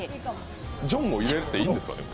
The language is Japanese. ジョンも入れてしまっていいんですかね？